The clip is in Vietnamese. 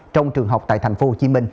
trong trường học tại tp hcm